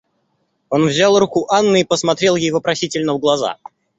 Он взял руку Анны и посмотрел ей вопросительно в глаза.